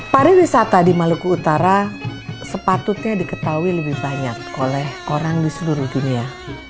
pariwisata di maluku utara sepatutnya diketahui lebih banyak oleh orang di seluruh dunia